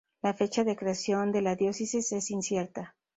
La fecha de creación de la diócesis es incierta.